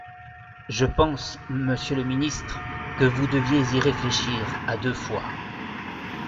Je pense, monsieur le ministre, que vous deviez y réfléchir à deux fois.